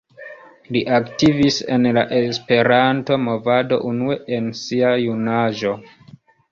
Li aktivis en la Esperanto-movado unue en sia junaĝo.